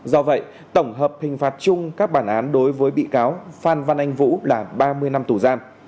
do vậy tổng hợp hình phạt chung các bản án đối với bị cáo phan văn anh vũ là ba mươi năm tù giam